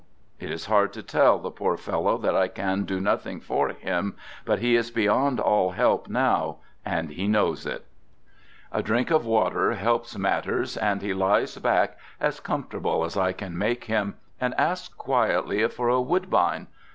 ... It is hard to tell the poor fellow that I can do nothing for him, but he is beyond all help now and he knows it. A drink of water helps matters and he lies back, as comfortable as I can make him, and asks quietly for a "woodbine!"